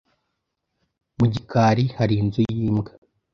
Mu gikari hari inzu yimbwa.